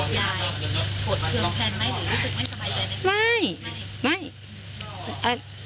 ยายโหดเครื่องแพนไหมหรือรู้สึกไม่สบายใจไหม